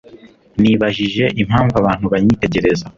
Nibajije impamvu abantu banyitegereza.